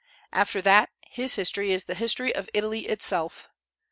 After that, his history is the history of Italy itself.